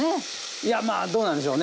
いやまあどうなんでしょうね。